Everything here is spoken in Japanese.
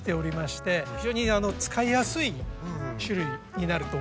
非常に使いやすい種類になると思います。